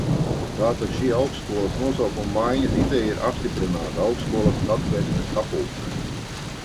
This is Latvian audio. Tātad šī augstskolas nosaukuma maiņas ideja ir apstiprināta augstskolas Satversmes sapulcē.